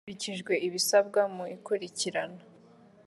hakurikijwe ibisabwa mu ikurikirana